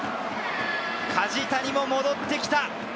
梶谷も戻ってきた。